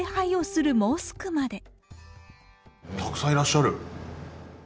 たくさんいらっしゃる。